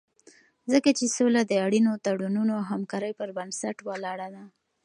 ځکه چې سوله د اړینو تړونونو او همکارۍ پر بنسټ ولاړه ده.